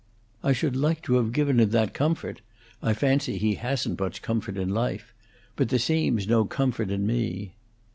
"I should like to have given him that comfort; I fancy he hasn't much comfort in life; but there seems no comfort in me."